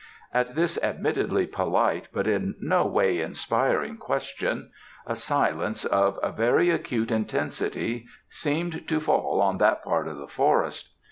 At this admittedly polite but in no way inspiring question a silence of a very acute intensity seemed to fall on that part of the forest.